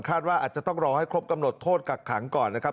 ว่าอาจจะต้องรอให้ครบกำหนดโทษกักขังก่อนนะครับ